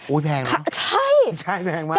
อุ๊ยแพงเนอะใช่แพงมาก